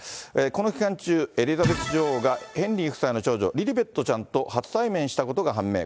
この期間中、エリザベス女王がヘンリー夫妻の長女、リリベットちゃんと初対面したことが判明。